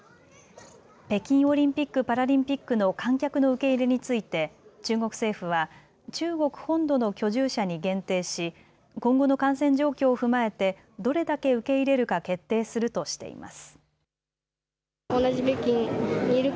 北京オリンピック・パラリンピックの観客の受け入れについて中国政府は中国本土の居住者に限定し今後の感染状況を踏まえてどれだけ受け入れるか決定するとしています。